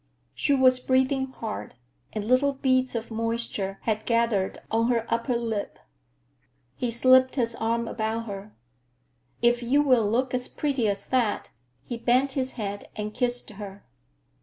She was breathing hard, and little beads of moisture had gathered on her upper lip. He slipped his arm about her. "If you will look as pretty as that—" he bent his head and kissed her.